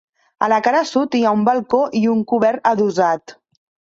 A la cara sud hi ha un balcó i un cobert adossat.